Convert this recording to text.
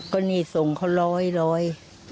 ก็นี่ส่งเขาร้อย